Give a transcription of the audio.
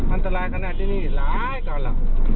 อันตรายขณะนี้แล้วก็ละ